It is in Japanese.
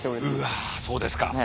うわあそうですか。